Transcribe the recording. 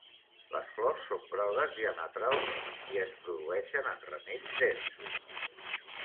Les flors són grogues diametralment i es produeixen en ramells densos.